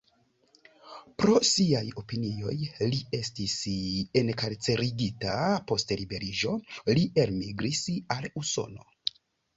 Pro siaj opinioj li estis enkarcerigita, post liberiĝo li elmigris al Usono.